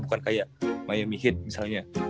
bukan kayak miami heat misalnya